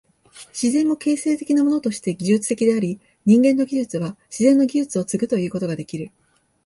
自然も形成的なものとして技術的であり、人間の技術は自然の技術を継ぐということができる。